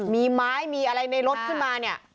มีไม้มีอะไรในรถขึ้นมาเนี่ย